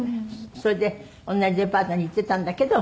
それで同じデパートに行ってたんだけど。